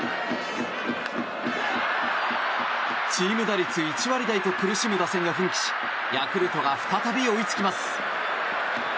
チーム打率１割台と苦しむ打線が奮起しヤクルトが再び追いつきます。